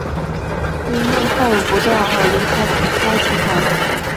因内哄不断而离开该集团。